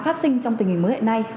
phát sinh trong tình hình mới hiện nay